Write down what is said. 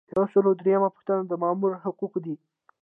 یو سل او دریمه پوښتنه د مامور حقوق دي.